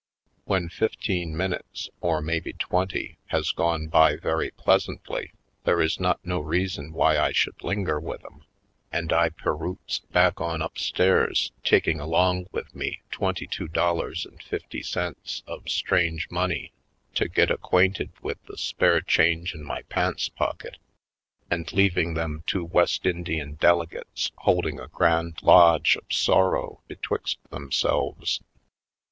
When fifteen minutes, or maybe twenty, has gone by very pleasantly there is not no reason why I should linger with 'em, and I piroots back on upstairs taking along with me twenty two dollars and fifty cents of strange money to get acquainted with the spare change in my pants pocket and leav ing them two West Indian delegates hold ing a grand lodge of sorrow betwixt them selves.